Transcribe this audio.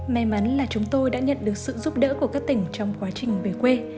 may mắn là chúng tôi đã nhận được sự giúp đỡ của các tỉnh trong quá trình về quê